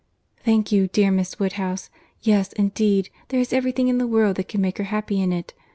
"Thank you, dear Miss Woodhouse. Yes, indeed, there is every thing in the world that can make her happy in it.